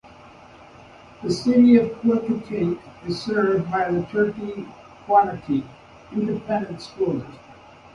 The City of Quitaque is served by the Turkey-Quitaque Independent School District.